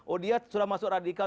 oh dia sudah masuk radikal